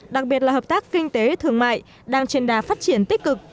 đặc biệt là hợp tác kinh tế thương mại đang trên đà phát triển tích cực